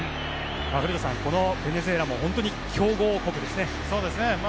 古田さん、このベネズエラも本当に強豪国ですね。